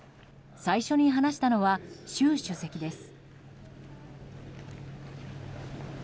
最初に話したのは習主席です。